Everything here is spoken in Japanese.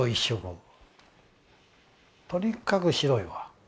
とにかく白いわ。